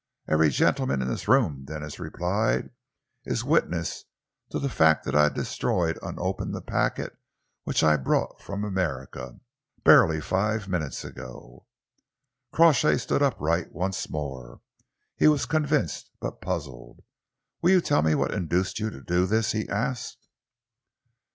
"Every gentleman in this room," Denis replied, "is witness of the fact that I destroyed unopened the packet which I brought from America, barely five minutes ago." Crawshay stood upright once more. He was convinced but puzzled. "Will you tell me what induced you to do this?" he asked.